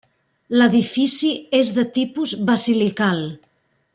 L'edifici és de tipus basilical.